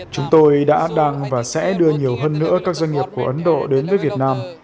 chúng tôi đã đang và sẽ đưa nhiều hơn nữa các doanh nghiệp của ấn độ đến với việt nam